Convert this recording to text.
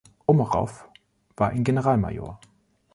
Omarow war ein Generalmajor.